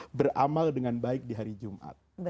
kita beramal dengan baik di hari jumat